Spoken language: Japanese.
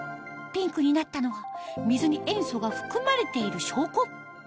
ピンクになったのは水に塩素が含まれている証拠